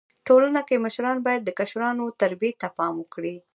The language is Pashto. ټولنه کي مشران بايد د کشرانو و تربيي ته پام وکړي.